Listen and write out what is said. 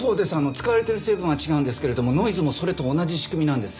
使われている成分は違うんですけれどもノイズもそれと同じ仕組みなんです。